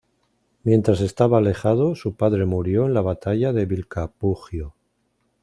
Mientras estaba alejado, su padre murió en la batalla de Vilcapugio.